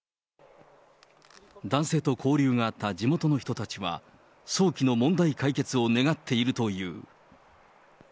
男性と交流があった地元の人たちは、早期の問題解決を願っているという。